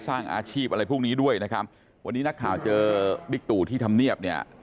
สร้างอาชีพอะไรพวกนี้ด้วยนะครับวันนี้นักข่าวเจอบิ๊กตู่ที่ทำเนียบเนี่ย